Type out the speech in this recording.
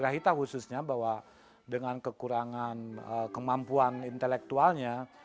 kita khususnya bahwa dengan kekurangan kemampuan intelektualnya